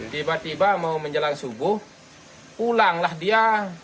tiba tiba mau menjelang subuh pulanglah dia